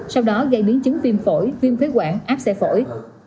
sau đó gây biến chứng phim phổi phim phế quảng áp xe phổi